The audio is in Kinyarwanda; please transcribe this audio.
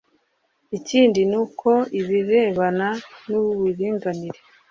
Ikindi ni uko ibirebana n uburinganire